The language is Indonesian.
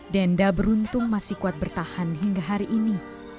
denda beruntung masih kuat bertahan hingga hari ini